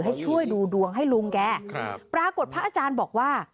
ให้ช่วยดูดวงให้ลุงแกครับปรากฏพระอาจารย์บอกว่า